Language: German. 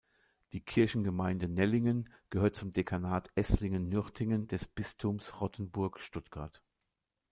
Die Kirchengemeinde Nellingen gehört zum Dekanat Esslingen-Nürtingen des Bistums Rottenburg-Stuttgart.